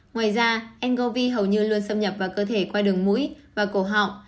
ngoài ra ncov hầu như luôn xâm nhập vào cơ thể qua đường mũi và cổ họng